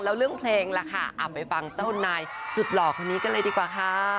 แล้วเรื่องเพลงล่ะค่ะไปฟังเจ้าคุณนายสุดหล่อคนนี้กันเลยดีกว่าค่ะ